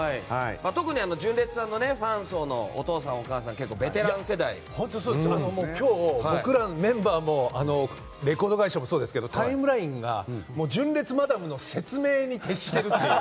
特に純烈さんのファン層のお父さん、お母さんは今日、僕らメンバーやレコード会社もそうですけどタイムラインが純烈マダムの説明に徹しているという。